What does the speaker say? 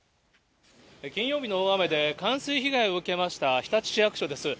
金曜日の大雨で冠水被害を受けました日立市役所です。